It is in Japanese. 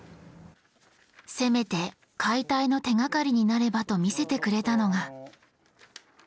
せめて解体の手がかりになればと見せてくれたのが。